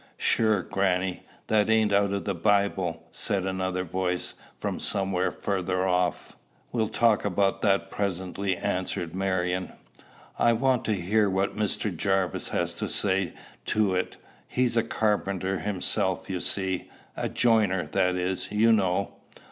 "Sure, grannie, that ain't out o' the Bible?" said another voice, from somewhere farther off. "We'll talk about that presently," answered Marion. "I want to hear what Mr. Jarvis has to say to it: he's a carpenter himself, you see, a joiner, that is, you know."